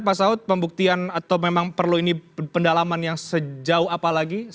pak saud pembuktian atau memang perlu ini pendalaman yang sejauh apa lagi